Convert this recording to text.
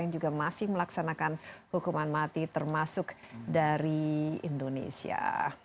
yang juga masih melaksanakan hukuman mati termasuk dari indonesia